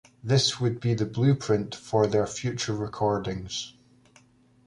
This would be the blueprint for their future recordings.